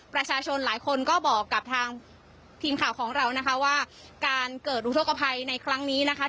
ประชาชนหลายคนก็บอกกับทางทีมข่าวของเรานะคะว่าการเกิดอุทธกภัยในครั้งนี้นะคะ